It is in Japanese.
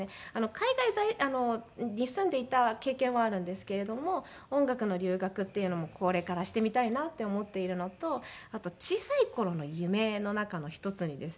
海外に住んでいた経験はあるんですけれども音楽の留学っていうのもこれからしてみたいなって思っているのとあと小さい頃の夢の中の一つにですね